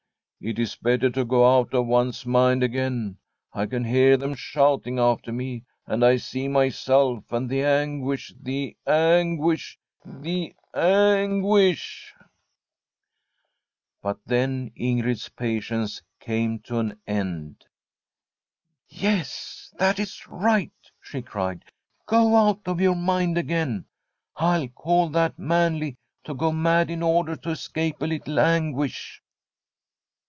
' It is better to go out of one's mind again. I can hear them shouting after me, and I see myself, and the anguish, the anguish, the anguish ' But then Ingrjd's patience came to an end. * Yes, that is right, she cried ;* go out of your mind again. I call that manly to go mad in order to escape a little anguish.'